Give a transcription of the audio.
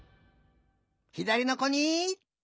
ひだりのこに！